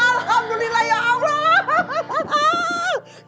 alhamdulillah ya allah